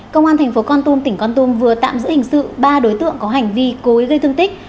công an tp con tum tỉnh con tum vừa tạm giữ hình sự ba đối tượng có hành vi cối gây thương tích